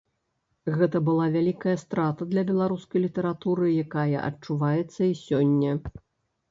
Гэта была вялікая страта для беларускай літаратуры, якая адчуваецца і сёння.